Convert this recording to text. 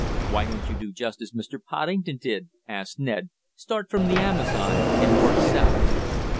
"Why don't you do just as Mr. Poddington did?" asked Ned, "start from the Amazon and work south?"